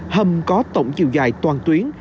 hầm có tổng chiều dài toàn tuyến